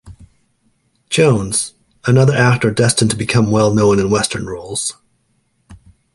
Jones, another actor destined to become well known in western roles.